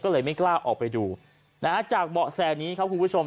ก็เลยไม่กล้าออกไปดูนะฮะจากเบาะแสนี้ครับคุณผู้ชม